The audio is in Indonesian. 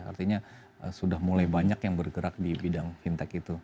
artinya sudah mulai banyak yang bergerak di bidang fintech itu